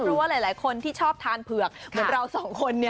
เพราะว่าหลายคนที่ชอบทานเผือกเหมือนเราสองคนเนี่ย